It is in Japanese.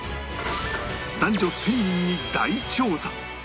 男女１０００人に大調査